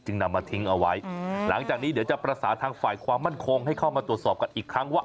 นำมาทิ้งเอาไว้หลังจากนี้เดี๋ยวจะประสานทางฝ่ายความมั่นคงให้เข้ามาตรวจสอบกันอีกครั้งว่า